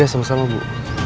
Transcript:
ya sama sama bu